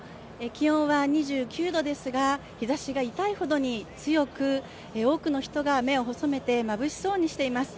気温は２９度ですが、日ざしが痛いほどに強く、多くの人が目を細めてまぶしそうにしています。